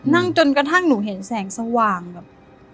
จนกระทั่งหนูเห็นแสงสว่างแบบ